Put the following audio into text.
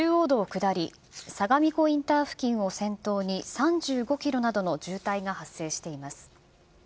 下り相模湖インター付近を先頭に３５キロなどの渋滞が発生しています。